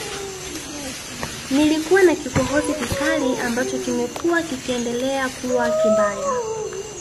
Nilikuwa na kikohozi kikali ambacho kimekuwa kikiendelea kuwa kibaya